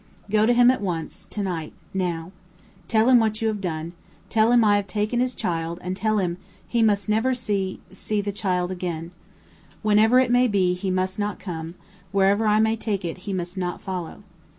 "Go to him at once tonight now! Tell him what you have done. Tell him I have taken his child, and tell him he must never see see the child again. Wherever it may be, he must not come; wherever I may take it, he must not follow!